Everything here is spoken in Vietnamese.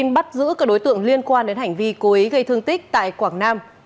bắt giữ các đối tượng liên quan đến hành vi cố ý gây thương tích tại quảng nam